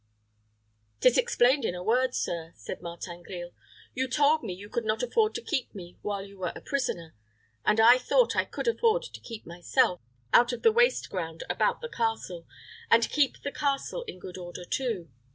"'Tis explained in a word, sir," said Martin Grille. "You told me you could not afford to keep me while you were a prisoner; and I thought I could afford to keep myself, out of the waste ground about the castle, and keep the castle in good order too.